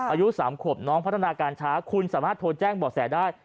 อายุ๓ขวบน้องพัฒนาการช้าคุณสามารถโทรแจ้งบ่อแสได้